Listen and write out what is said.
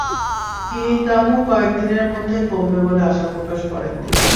চিনির দামও কয়েক দিনের মধ্যে কমবে বলে আশা প্রকাশ করেন তিনি।